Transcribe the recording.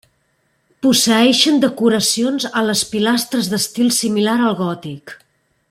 Posseeixen decoracions a les pilastres d'estil similar al gòtic.